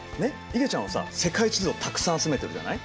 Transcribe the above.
いげちゃんはさ世界地図をたくさん集めてるじゃない？